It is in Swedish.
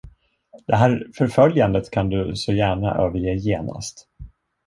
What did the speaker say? Det här förföljandet kan du så gärna överge genast.